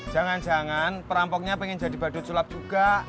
jangan jangan perampoknya pengen jadi badut sulap juga